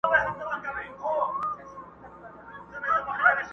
o چي نه دي و له پلار و نيکه، اوس دي نوی ونيوه!